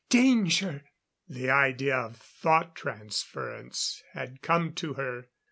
Danger!"_ The idea of thought transference had come to her.